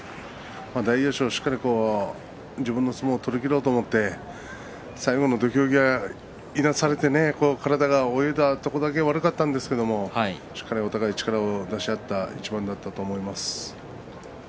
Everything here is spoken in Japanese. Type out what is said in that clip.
大栄翔、しっかりと自分の相撲を取り切ろうと思って最後の土俵際いなされて体が泳いだところだけ悪かったんですけれどしっかりお互い力を出し合った一番だったと思います。